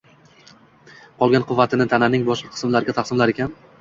qolgan quvvatini tananing boshqa qismlariga taqsimlar ekan.